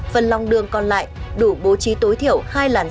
phần lòng đường còn lại đủ bố trí tối thiểu hai làn xe